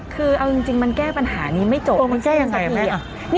คือเอาจริงมันแก้ปัญหานี้ไม่จบ